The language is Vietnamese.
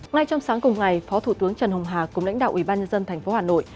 ngay trong sáng cùng ngày phó thủ tướng trần hồng hà cùng lãnh đạo ủy ban nhân dân tp hà nội